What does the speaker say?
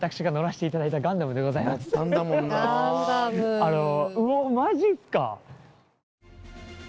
あのうおマジっすか。